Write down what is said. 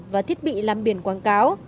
và thiết bị làm biển quảng cáo